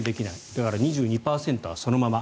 だから、２２％はそのまま。